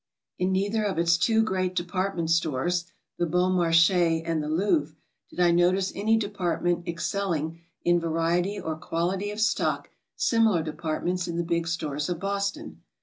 In neither of its two great department stores, the Bon Marche and the Louvre, did I notice any department excelling in variety or quality of stock similar departments in the big stores of Boston.